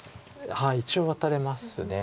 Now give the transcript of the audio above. はい一応ワタれます。